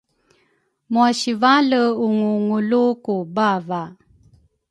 mua sivale unguungulu ku bava.